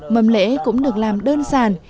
mầm lễ cũng được làm đơn giản